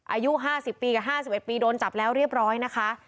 อายุ๕๐ปีกับ๕๑ปีโดนจับแล้วเรียบร้อยนะคะ